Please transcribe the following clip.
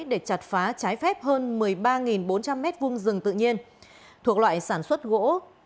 để chặt phá trái phép hơn một mươi ba bốn trăm linh m hai rừng tự nhiên thuộc loại sản xuất gỗ